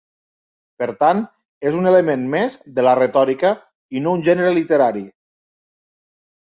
Per tant és un element més de la retòrica i no un gènere literari.